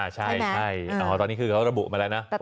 ใช่ตอนนี้คือเขาระบุมาแล้วนะ